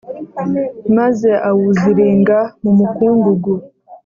maze awuziringa mu mukungugu.